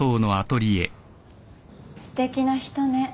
すてきな人ね。